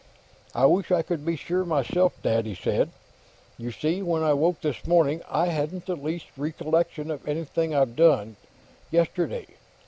"I wish I could be sure, myself, Dad," he said. "You see, when I woke, this morning, I hadn't the least recollection of anything I'd done yesterday.